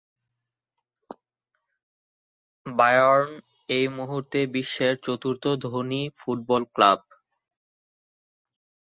Bayern এই মুহূর্তে বিশ্বের চতুর্থ ধনী ফুটবল ক্লাব।